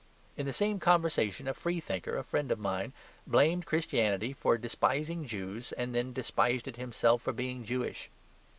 In the same conversation a free thinker, a friend of mine, blamed Christianity for despising Jews, and then despised it himself for being Jewish.